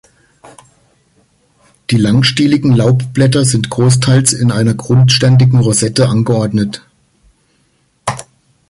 Die langstieligen Laubblätter sind großteils in einer grundständigen Rosette angeordnet.